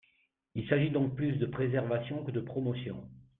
Il s’agit donc plus de préservation que de promotion.